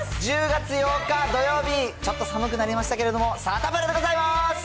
１０月８日土曜日、ちょっと寒くなりましたけれども、サタプラでございます。